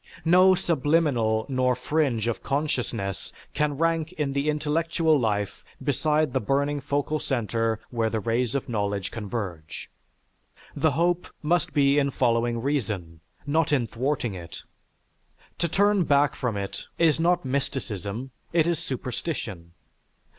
No subliminal nor fringe of consciousness can rank in the intellectual life beside the burning focal center where the rays of knowledge converge. The hope must be in following reason, not in thwarting it. To turn back from it is not mysticism, it is superstition.